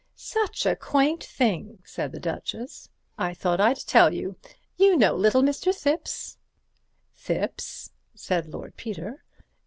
"Such a quaint thing," said the Duchess. "I thought I'd tell you. You know little Mr. Thipps?" "Thipps?" said Lord Peter.